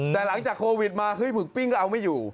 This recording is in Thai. แต่หลังจากโควิดมาเฮ้ยหึกปิ้งก็เอาไม่อยู่